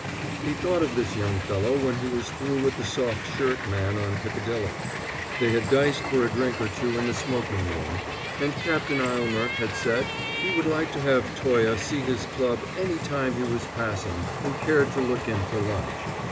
He thought of this young fellow when he was through with the soft shirt man on Piccadilly. They had diced for a drink or two in the smoking room, and Captain Aylmer had said he would like to have Toye see his club any time he was passing and cared to look in for lunch.